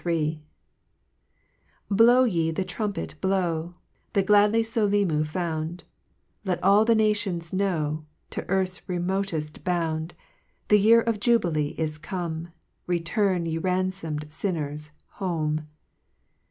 HYMN III. 1 "J3 LOW ye the trumpet blow, JLJ The gladly folcmu found, Let all the nations know, To earth's remoteft bound; The year of jubilee is come ; Return, ye ranfom'd finners, home